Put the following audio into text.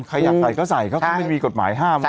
ใครอยากใส่ก็ใส่เขาก็ไม่มีกฎหมายห้ามไว้